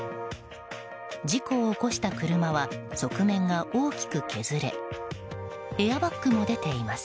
事故を起こした車は側面が大きく削れエアバッグも出ています。